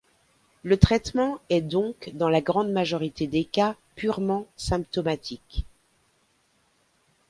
Le traitement est donc dans la grande majorité des cas purement symptomatique.